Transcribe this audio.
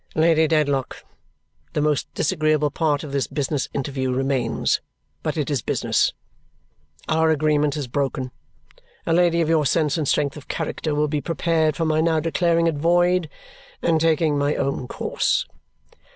"Lady Dedlock, the most disagreeable part of this business interview remains, but it is business. Our agreement is broken. A lady of your sense and strength of character will be prepared for my now declaring it void and taking my own course."